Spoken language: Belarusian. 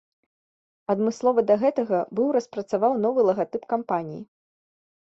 Адмыслова да гэтага быў распрацаваў новы лагатып кампаніі.